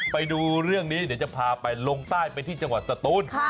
ไปดูเรื่องนี้เดี๋ยวจะพาไปลงใต้ไปที่จังหวัดสตูน